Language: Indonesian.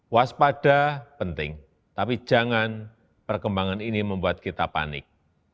waspada penting tapi jangan perkembangan ini membuat kita panik